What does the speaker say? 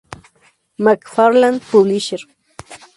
McFarland Publisher.